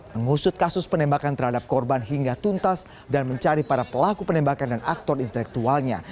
mengusut kasus penembakan terhadap korban hingga tuntas dan mencari para pelaku penembakan dan aktor intelektualnya